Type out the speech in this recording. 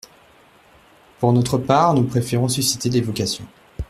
Pour notre part, nous préférons susciter des vocations.